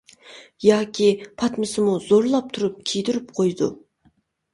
ياكى پاتمىسىمۇ زورلاپ تۇرۇپ كىيدۈرۈپ قويىدۇ.